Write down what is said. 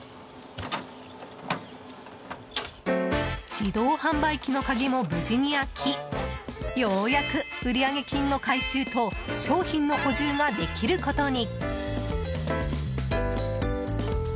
自動販売機の鍵も無事に開きようやく、売上金の回収と商品の補充ができることに。